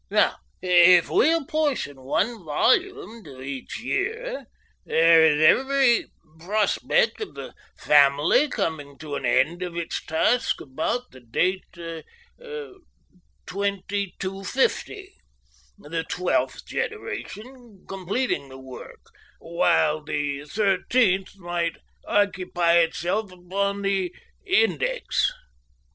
Now, if we apportion one volume to each year, there is every prospect of the family coming to an end of its task about the date 2250, the twelfth generation completing the work, while the thirteenth might occupy itself upon the index."